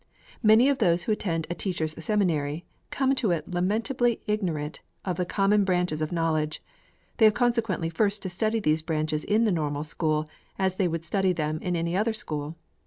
Many of those who attend a Teachers' Seminary, come to it lamentably ignorant of the common branches of knowledge. They have consequently first to study these branches in the Normal School, as they would study them in any other school.